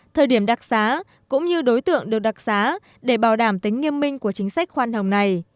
thời điểm đặc xá cũng như đối tượng được đặc xá để bảo đảm tính nghiêm minh của chính sách khoan hồng này